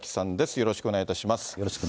よろしくお願いします。